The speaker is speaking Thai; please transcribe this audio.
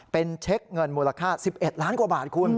เป็นเช็คเงินมูลค่า๑๑ล้านกว่าบาทคุณ